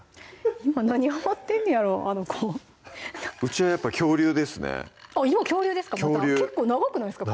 今何はまってんねやろあの子うちはやっぱ恐竜ですね今恐竜ですかまた結構長くないですか？